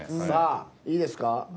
さあいいですか？